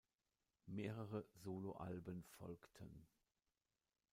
Mehrere Solo-Alben folgten.